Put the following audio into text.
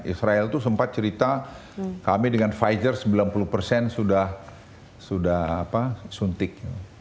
israel tuh sempat cerita kami dengan pfizer sembilan puluh sudah suntik